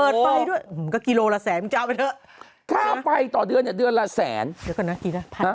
เดี๋ยวก่อนนะกี่นะพันต้นหรือไง